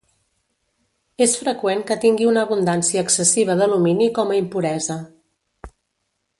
És freqüent que tingui una abundància excessiva d'alumini com a impuresa.